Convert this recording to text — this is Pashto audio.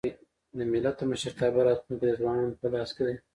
د ملت د مشرتابه راتلونکی د ځوانانو په لاس کي دی.